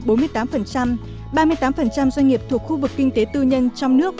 ba mươi tám doanh nghiệp thuộc khu vực kinh tế tư nhân trong nước